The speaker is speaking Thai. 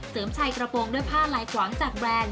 ชายกระโปรงด้วยผ้าลายขวางจากแบรนด์